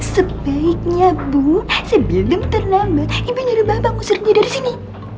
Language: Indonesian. sebaiknya bu sebelum terlambat ibu nyuruh bapak ngusir dia dari sini